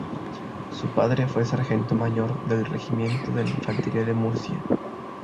Su padre fue Sargento Mayor del Regimiento de Infantería de Murcia.